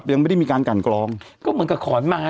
แต่หนูจะเอากับน้องเขามาแต่ว่า